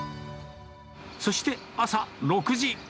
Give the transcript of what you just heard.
そして、朝６時。